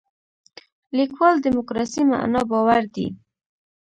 لیکوال دیموکراسي معنا باور دی.